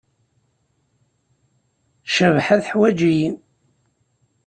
Cabḥa teḥwaǧ-iyi.